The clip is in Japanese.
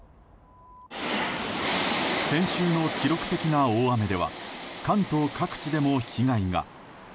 先週の記録的な大雨では関東各地でも被害が。